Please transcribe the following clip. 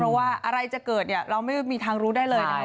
เพราะว่าอะไรจะเกิดเนี่ยเราไม่มีทางรู้ได้เลยนะครับ